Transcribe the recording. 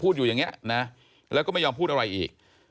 อยู่อย่างนี้นะแล้วก็ไม่ยอมพูดอะไรอีก